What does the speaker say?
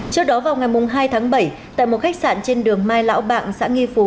trước đó vào ngày hai tháng bảy tại một khách sạn trên đường mai lão bảng xã nghi phú